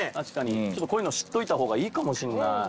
ちょっとこういうの知っといた方がいいかもしんない。